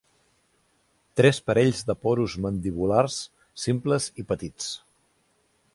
Tres parells de porus mandibulars, simples i petits.